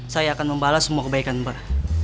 saya akan membalas semua kebaikan ber